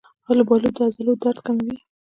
آلوبالو د عضلو درد کموي.